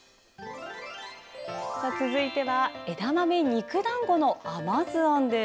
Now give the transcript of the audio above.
続いては枝豆肉だんごの甘酢あんです。